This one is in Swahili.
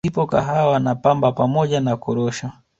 Zipo Kahawa na Pamba pamoja na Korosho